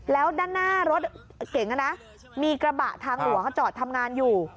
แล้วด้านหน้ารถเก่งมีกระบะทางหลวงเขาจอดทำงานอยู่